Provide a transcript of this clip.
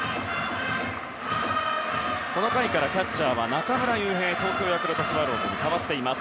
この回からキャッチャーは東京ヤクルトスワローズの中村悠平に代わっています。